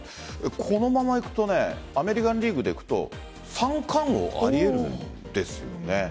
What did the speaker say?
このままいくとアメリカン・リーグでいくと三冠王、ありえるんですよね。